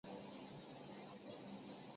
初回版附有贴纸。